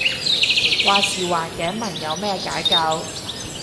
話時話頸紋有咩解救